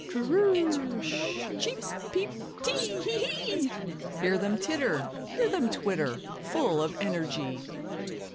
"Tr'r, sh, cheep, peep, tee, hee, hee!" Hear them titter, hear them twitter, Full of energy.